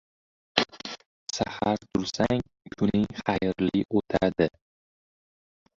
• Saxar tursang, kuning xayrli o‘tadi.